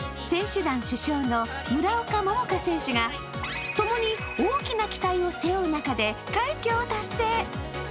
選手団主将の村岡桃佳選手が共に大きな期待を背負う中で快挙を達成。